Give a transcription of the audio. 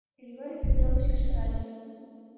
— Григорий Петрович кычкырале.